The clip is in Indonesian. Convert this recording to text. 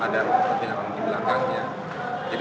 ada orang penting di belakangnya